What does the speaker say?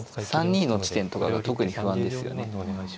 ３二の地点とかが特に不安ですよね。